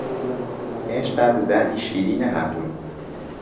هێشتا ددانی شیری نەهاتوون